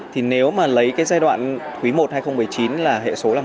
thì nếu mà lấy cái giai đoạn quý một hai nghìn một mươi chín là hệ số là một